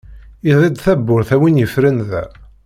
ldi-d tawwurt a win yefren da.